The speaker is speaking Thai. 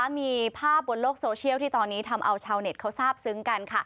มีภาพบนโลกโซเชียลที่ตอนนี้ทำเอาชาวเน็ตเขาทราบซึ้งกัน